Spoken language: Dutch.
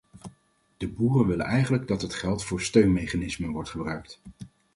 De boeren willen eigenlijk dat het geld voor steunmechanismen wordt gebruikt.